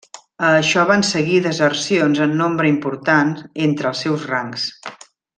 A això van seguir desercions en nombre importants entre els seus rangs.